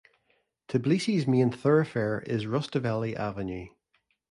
Tbilisi's main thoroughfare is Rustaveli Avenue.